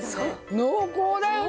濃厚だよね。